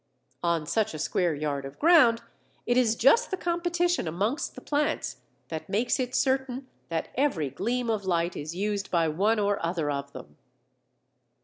On such a square yard of ground, it is just the competition amongst the plants, that makes it certain that every gleam of light is used by one or other of them.